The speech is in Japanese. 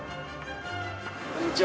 こんにちは。